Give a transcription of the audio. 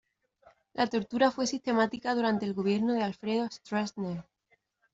La tortura fue sistemática durante el gobierno de Alfredo Stroessner.